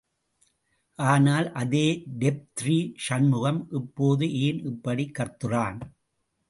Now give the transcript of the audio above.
ஆனால் அதே டெப்திரி சண்முகம், இப்போது ஏன் இப்படி கத்துறான்?.